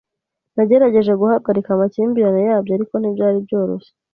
Nagerageje guhagarika amakimbirane yabo, ariko ntibyari byoroshye.